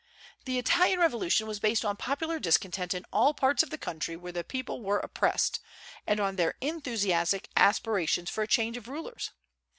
The Italian revolution was based on popular discontent in all parts of the country where the people were oppressed, and on their enthusiastic aspirations for a change of rulers.